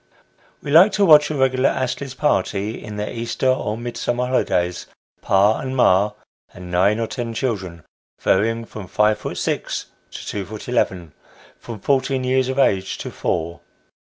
We like to watch a regular Astley's party in the Easter or Mid summer holidays pa and ma, and nine or ten children, varying from five foot six to two foot eleven : from fourteen years of age to four.